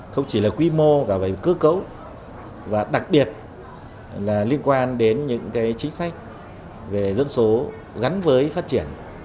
không chỉ là quy mô cả về cơ cấu và đặc biệt là liên quan đến những chính sách về dân số gắn với phát triển